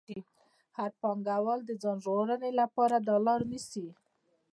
هر پانګوال د ځان ژغورنې لپاره دا لار نیسي